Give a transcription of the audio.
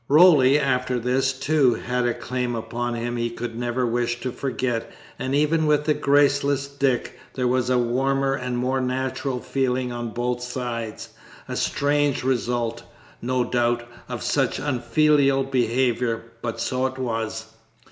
Roly after this, too, had a claim upon him he could never wish to forget, and even with the graceless Dick there was a warmer and more natural feeling on both sides a strange result, no doubt, of such unfilial behaviour, but so it was.